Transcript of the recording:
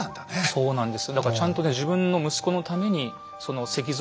そうなんです。